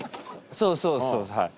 そうそうそうです。